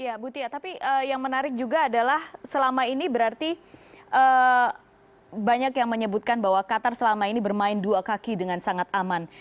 ya bu tia tapi yang menarik juga adalah selama ini berarti banyak yang menyebutkan bahwa qatar selama ini bermain dua kaki dengan sangat aman